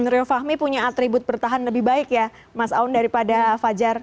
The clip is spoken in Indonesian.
rio fahmi punya atribut bertahan lebih baik ya mas aun daripada fajar